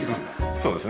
そうですね。